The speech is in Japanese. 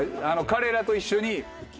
彼らと一緒に。